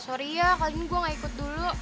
sorry ya kali ini gue gak ikut dulu